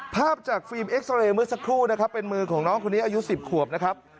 ภาพจากฟิล์มเอ็กซอเรย์เมื่อสักครู่นะครับเป็นมือของน้องคนนี้อายุ๑๐ขวบนะครับ